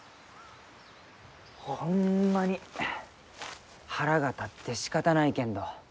ホンマに腹が立ってしかたないけんど。